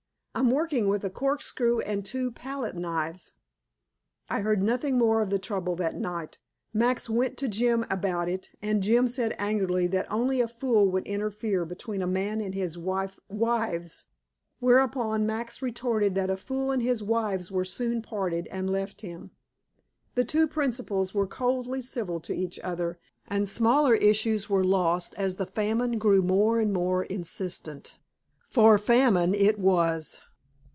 I'm working with a corkscrew and two palette knives." I heard nothing more of the trouble that night. Max went to Jim about it, and Jim said angrily that only a fool would interfere between a man and his wife wives. Whereupon Max retorted that a fool and his wives were soon parted, and left him. The two principals were coldly civil to each other, and smaller issues were lost as the famine grew more and more insistent. For famine it was.